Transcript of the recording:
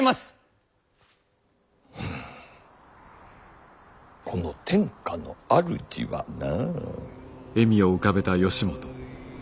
うんこの天下の主はな。